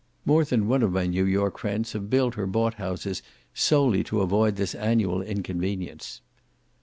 More than one of my New York friends have built or bought houses solely to avoid this annual inconvenience.